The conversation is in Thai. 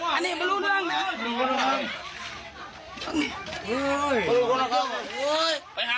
อันนี้ไม่รู้เรื่องเลยนะอันนี้ไม่รู้เรื่อง